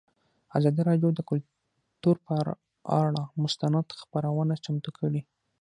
ازادي راډیو د کلتور پر اړه مستند خپرونه چمتو کړې.